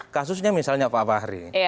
kasusnya misalnya pak fahri